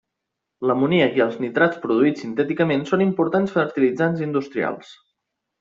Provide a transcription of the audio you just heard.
L'amoníac i els nitrats produïts sintèticament són importants fertilitzants industrials.